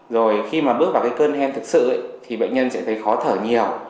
rồi khi mà bước vào cân hen thực sự thì bệnh nhân sẽ thấy khó thở nhiều